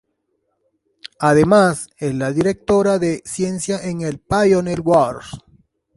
Además, es la Directora de ciencia en el Pioneer Works.